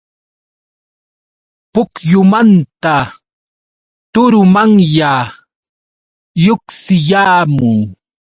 Pukyumanta turumanya lluqsiyaamun.